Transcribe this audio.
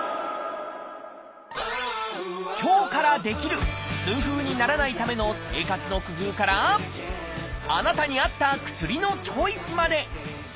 今日からできる痛風にならないための生活の工夫からあなたに合った薬のチョイスまで。